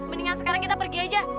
mendingan sekarang kita pergi aja